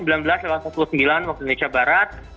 sembilan belas lewat empat puluh sembilan waktu indonesia barat